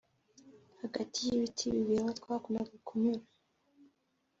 Hagati y’ ibiti bibiri aho twakundaga kunyura